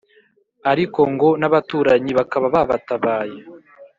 ariko ngo n’abaturanyi bakaba babatabaye.